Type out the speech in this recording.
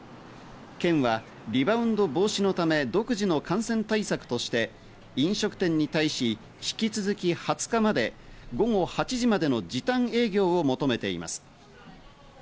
県はリバウンド防止のため独自の感染対策として飲食店に対し、引き続き２０日まで、午後８時までの時短営業を求めています。